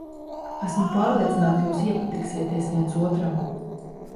Esmu pārliecināta, jūs iepatiksieties viens otram.